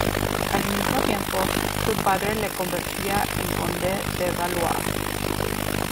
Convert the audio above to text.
Al mismo tiempo, su padre le convertía en Conde de Valois.